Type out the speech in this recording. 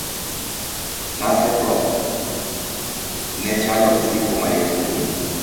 Naseko nechalo osiko mayot kuomgi